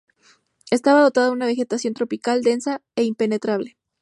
Estaba dotada de una vegetación tropical, densa e impenetrable.